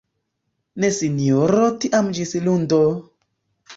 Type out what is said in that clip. Ne Sinjoro tiam ĝis lundo!